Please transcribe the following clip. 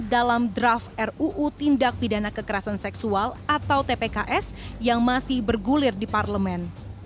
dalam draft ruu tindak pidana kekerasan seksual atau tpks yang masih bergulir di parlemen